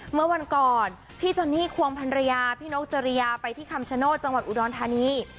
เมื่อวันก่อนพี่โจนนี่ควงพันรยาพี่นกจริยาไปที่คำชโนธจังหวัดอุดรธานี